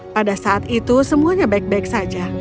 pada saat itu semuanya baik baik saja